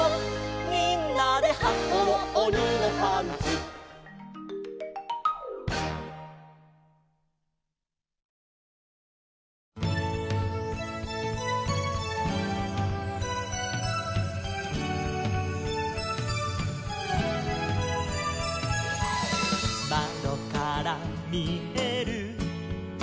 「みんなではこうおにのパンツ」「まどからみえる」